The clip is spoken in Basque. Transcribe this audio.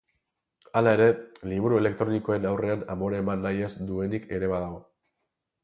Hala ere, liburu elektronikoen aurrean amore eman nahi ez duenik ere badago.